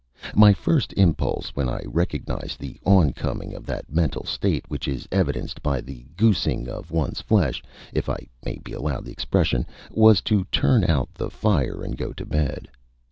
My first impulse, when I recognized the on coming of that mental state which is evidenced by the goosing of one's flesh, if I may be allowed the expression, was to turn out the fire and go to bed.